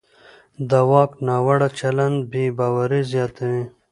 د واک ناوړه چلند بې باوري زیاتوي